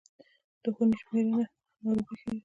د خونې شمېرنه ناروغي ښيي.